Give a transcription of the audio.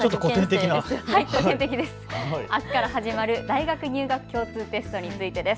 あすから始まる大学入学共通テストについてです。